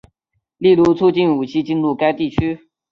例如促进武器进入该地区。